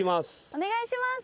お願いします。